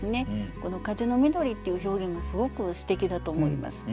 この「風のみどり」っていう表現がすごく詩的だと思います。